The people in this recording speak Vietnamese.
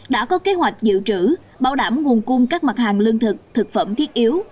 đã có kế hoạch dự trữ bảo đảm nguồn cung các mặt hàng lương thực thực phẩm thiết yếu